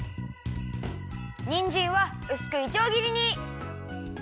にんじんはうすくいちょうぎりに。